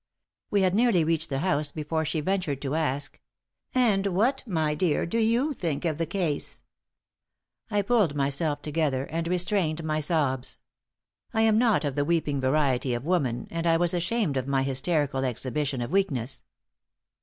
We had nearly reached the house before she ventured to ask: "And what, my dear, do you think of the case?" I pulled myself together and restrained my sobs. I am not of the weeping variety of woman, and I was ashamed of my hysterical exhibition of weakness.